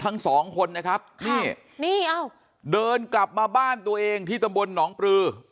ทั้งสองคนนะครับนี่นี่เดินกลับมาบ้านตัวเองที่ตำบลหนองปลือ